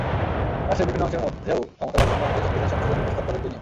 রাষ্ট্রের বিভিন্ন অংশের মধ্যেও ক্ষমতার ভারসাম্য আনতে সংবিধান সংশোধনের প্রস্তাব করেন তিনি।